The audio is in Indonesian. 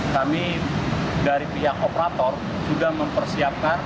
kami dari pihak operator sudah mempersiapkan